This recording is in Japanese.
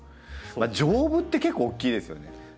丈夫って結構大きいですよね。